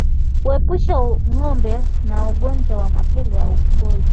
Kuepusha ngombe na ugonjwa wa mapele ya ngozi